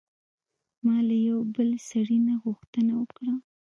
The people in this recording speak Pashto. ما له یوه بل سړي نه غوښتنه وکړه.